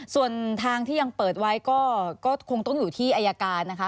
ส่วนทางที่ยังเปิดไว้ก็คงต้องอยู่ที่อายการนะคะ